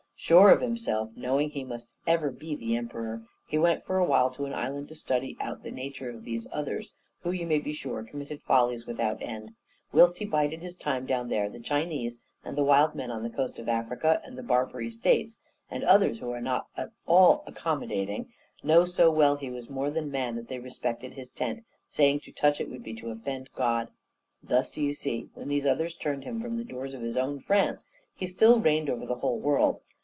"Sure of himself, knowing he must ever be THE EMPEROR, he went for a while to an island to study out the nature of these others, who, you may be sure, committed follies without end. Whilst he bided his time down there, the Chinese, and the wild men on the coast of Africa, and the Barbary States, and others who are not at all accommodating, know so well he was more than man that they respected his tent, saying to touch it would be to offend God. Thus, d'ye see, when these others turned him from the doors of his own France, he still reigned over the whole world.